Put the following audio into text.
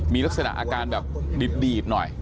มีลักษณะอาการแบบดีดหน่อย